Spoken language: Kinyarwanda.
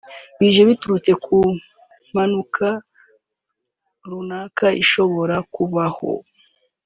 bije biturutse ku mpanuka runaka ishobora kubaho